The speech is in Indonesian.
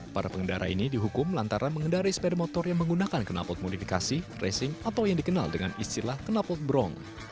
para pengendara ini dihukum lantaran mengendarai sepeda motor yang menggunakan kenalpot modifikasi racing atau yang dikenal dengan istilah kenalpot brong